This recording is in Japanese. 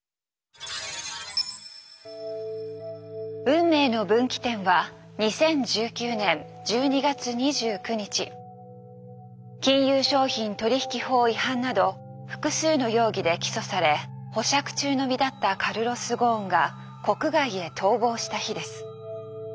運命の分岐点は金融商品取引法違反など複数の容疑で起訴され保釈中の身だったカルロス・ゴーンが国外へ逃亡した日です。